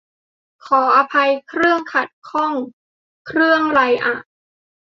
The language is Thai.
ขออภัย 'เครื่อง' ขัดข้อง เครื่องไรอ่ะ ?